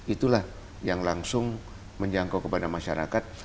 itulah yang langsung menjangkau kepada masyarakat